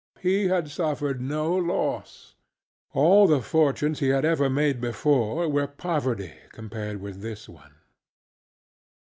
He had suffered no loss. All the fortunes he had ever made before were poverty compared with this one.